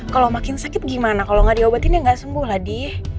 kalau makin sakit gimana kalau nggak diobatin ya nggak sembuh lah di